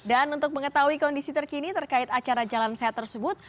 dan untuk mengetahui kondisi terkini terkait acara jalan sehat tersebut